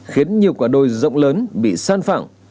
khiến nhiều quả đồi rộng lớn bị san phẳng